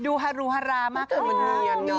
ดูฮารุฮารามากเลยค่ะ